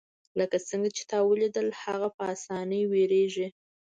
لکه څنګه چې تا ولیدل هغه په اسانۍ ویریږي